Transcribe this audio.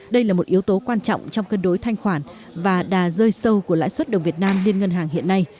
đây là một yếu tố quan trọng trong cân đối thanh khoản và đà rơi sâu của lãi suất đồng việt nam liên ngân hàng hiện nay